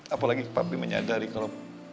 apalagi papi menyadari kalau